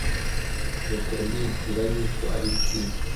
nuko ndibwira yuko ari byiza